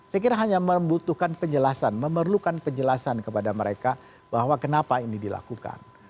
saya kira hanya membutuhkan penjelasan memerlukan penjelasan kepada mereka bahwa kenapa ini dilakukan